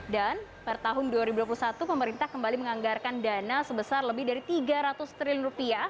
dan per tahun dua ribu dua puluh satu pemerintah kembali menganggarkan dana sebesar lebih dari rp tiga ratus triliun